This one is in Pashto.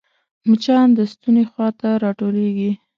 مچان د ستوني خوا ته راټولېږي